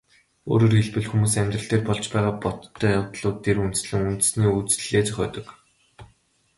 Өөрөөр хэлбэл, хүмүүс амьдрал дээр болж байгаа бодтой явдлууд дээр үндэслэн үндэсний үзлээ зохиодог.